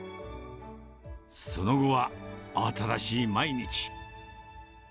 その後は、慌ただしい毎日。